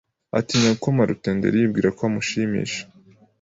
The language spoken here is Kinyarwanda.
atinya gukoma rutenderi yibwira ko amushimisha.